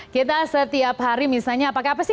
kita setiap hari misalnya apakah apa sih